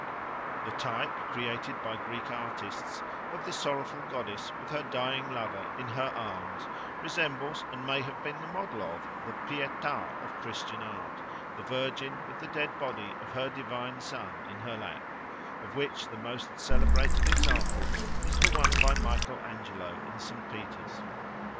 The type, created by Greek artists, of the sorrowful goddess with her dying lover in her arms, resembles and may have been the model of the Pietà of Christian art, the Virgin with the dead body of her divine Son in her lap, of which the most celebrated example is the one by Michael Angelo in St. Peters.